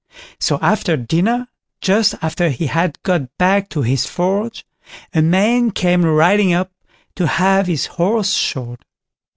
So after dinner, just after he had got back to his forge, a man came riding up to have his horse shod.